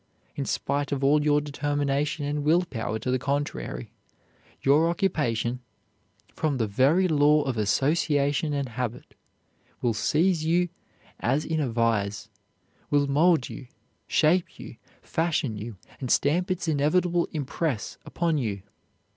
In spite of all your determination and will power to the contrary, your occupation, from the very law of association and habit, will seize you as in a vise, will mold you, shape you, fashion you, and stamp its inevitable impress upon you.